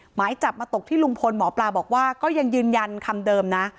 หมายจับมาตกที่ลุงพลหมอปลาบอกว่าก็ยังยืนยันคำเดิมนะ